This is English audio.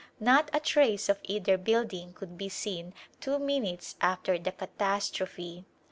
Not a trace of either building could be seen two minutes after the catastrophe.